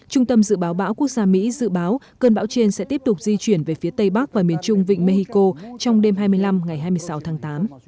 trung tâm dự báo bão quốc gia mỹ dự báo cơn bão trên sẽ tiếp tục di chuyển về phía tây bắc và miền trung vịnh mexico trong đêm hai mươi năm ngày hai mươi sáu tháng tám